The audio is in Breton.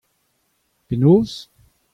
Penaos ?